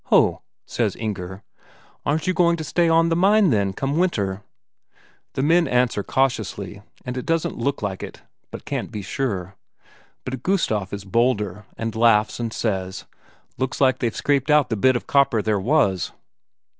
"Ho!" says Inger. "Aren't you going to stay on the mine, then, come winter?" The men answer cautiously, that it doesn't look like it, but can't be sure. But Gustaf is bolder, and laughs and says, looks like they've scraped out the bit of copper there was.